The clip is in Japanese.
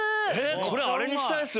これあれにしたいです。